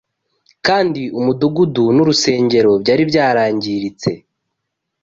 kandi umudugudu n’urusengero byari byarangiritse